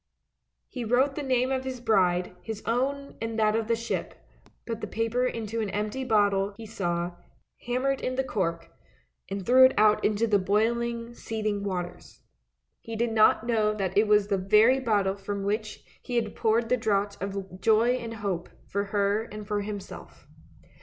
" He wrote the name of his bride, his own, and that of the ship, put the paper into an empty bottle he saw, hammered in the cork, and threw it out into the boiling, seething waters. He did not know that it was the very bottle from which he had poured the draught of joy and hope for her and for himself.